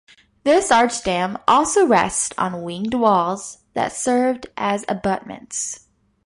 This arch dam also rests on winged walls that served as abutments.